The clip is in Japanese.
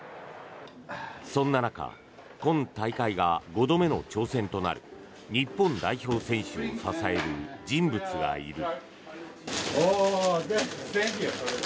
そんな中今大会が５度目の挑戦となる日本代表選手を支える人物がいる。